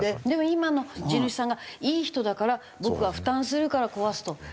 でも今の地主さんがいい人だから僕が負担するから壊すと。